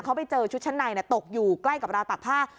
เขาไปเจอชุดชั้นในตกอยู่ใกล้กับราวตากผ้า